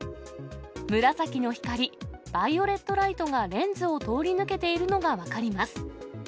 紫の光、バイオレットライトがレンズを通り抜けているのが分かります。